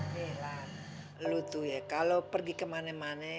belan lu tuh ya kalau pergi ke mane mane